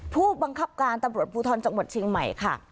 ผู้บังคับการตำรวจพูดถอนอาวุธจังหวัวเชียงใหม่ค่ะ